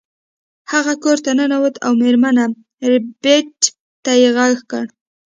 هغه کور ته ننوت او میرمن ربیټ ته یې غږ کړ